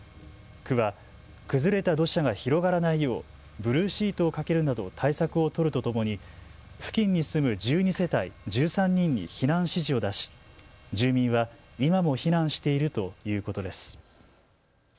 区は崩れた土砂が広がらないようブルーシートを掛けるなど対策を取るとともに付近に住む１２世帯１３人に避難指示を出し住民は今も避難しているということです。